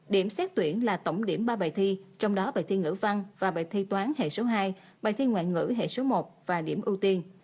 điểm xét tuyển là tổng điểm ba bài thi trong đó bài thi ngữ văn và bài thi toán hệ số hai bài thi ngoại ngữ hệ số một và điểm ưu tiên